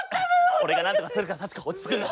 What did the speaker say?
俺がなんとかするからさちこ落ち着くんだ。